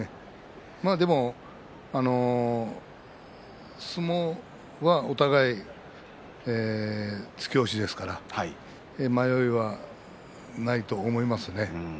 でも、相撲はお互い突き押しですから迷いはないと思いますね。